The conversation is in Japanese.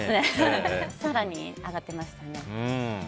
更に上がってましたね。